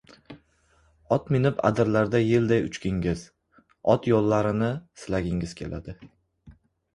Ot minib adirlarda yelday uchgingiz, ot yollarini silagingiz keladi.